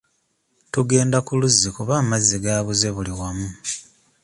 Tugenda ku luzzi kuba amazzi gaabuze buli wamu.